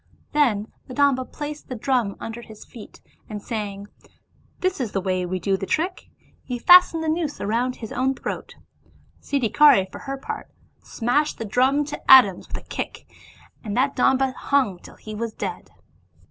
Then the Domba placed the drum under his feet, and saying, " This is the way we do the trick,*' he fastened the noose round his own throat ; Siddhikari for her part smashed the drum to atoms with a kick, and that Domba hung till he was dead.